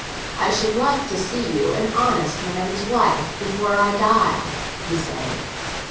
"I should like to see you an honest man's wife before I die," he said.